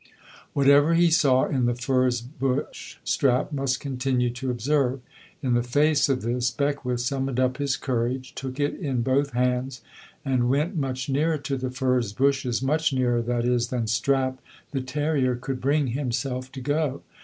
Whatever he saw in the furze bush Strap must continue to observe. In the face of this Beckwith summoned up his courage, took it in both hands and went much nearer to the furze bushes, much nearer, that is, than Strap the terrier could bring himself to go.